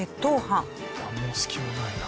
油断も隙もないな。